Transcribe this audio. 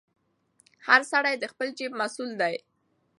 هر سړی د خپل جیب مسوول دی.